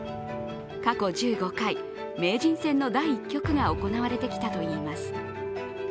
過去１５回、名人戦の第１局が行われてきたといいます。